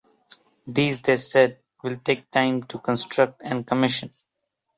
These, they said, will take time to construct and commission.